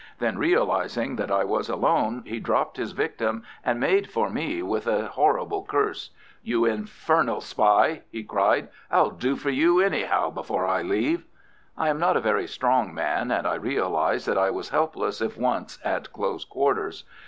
Then, realizing that I was alone, he dropped his victim and made for me with a horrible curse. "You infernal spy!" he cried. "I'll do for you anyhow before I leave." I am not a very strong man, and I realized that I was helpless if once at close quarters.